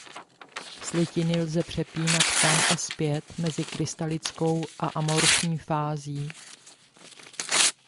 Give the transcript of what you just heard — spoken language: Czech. Slitiny lze přepínat tam a zpět mezi krystalickou a amorfní fází.